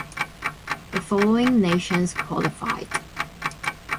The following nations qualified.